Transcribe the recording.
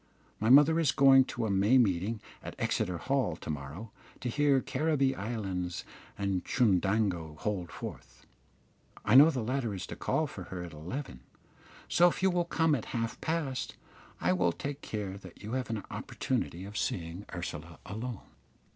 My mother is going to a May meeting at Exeter Hall to morrow to hear Caribbee Islands and Chundango hold forth. I know the latter is to call for her at eleven, so if you will come at half past, I will take care that you have an opportunity of seeing Ursula alone."